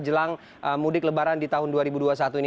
jelang mudik lebaran di tahun dua ribu dua puluh satu ini